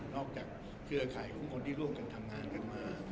เครือข่ายของคนที่ร่วมกันทำงานกันมา